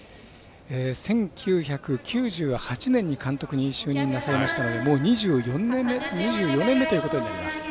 １９９８年に監督に就任なされましたのでもう２４年目ということになります。